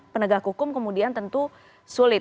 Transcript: penegak hukum kemudian tentu sulit